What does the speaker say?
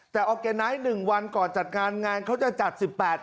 แต่ออกแกน้อยหนึ่งวันก่อนจัดงานงานเขาจะจัดสิบแปด